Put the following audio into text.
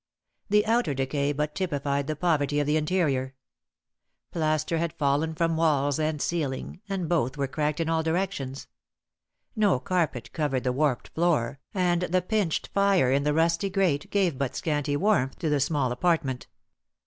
The outer decay but typified the poverty of the interior. Plaster had fallen from walls and ceiling, and both were cracked in all directions. No carpet covered the warped floor, and the pinched fire in the rusty grate gave but scanty warmth to the small apartment.